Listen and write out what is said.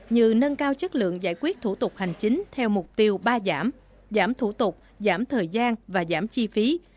như nâng cao chất lượng giải quyết thủ tục hành chính theo mục tiêu ba giảm giảm thủ tục giảm thời gian và giảm chi phí